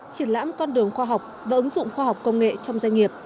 triển lãm con đường khoa học và ứng dụng khoa học công nghệ trong doanh nghiệp